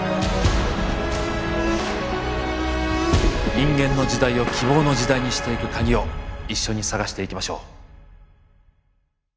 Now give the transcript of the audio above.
人間の時代を希望の時代にしていく鍵を一緒に探していきましょう。